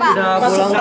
masih sakit udah pulang